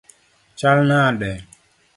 Chal nade?